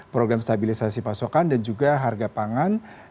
program stabilisasi pasokan dan juga harga pangan